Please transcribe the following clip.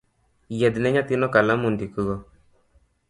Yiedhne nyathino kalam ondikgo.